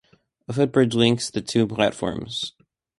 A footbridge links the two platforms.